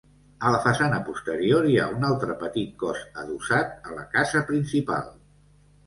A la façana posterior hi ha un altre petit cos adossat a la casa principal.